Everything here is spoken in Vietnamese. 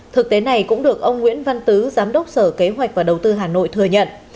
thực tế này cũng được ông nguyễn văn tứ giám đốc sở kế hoạch và đầu tư hà nội thừa nhận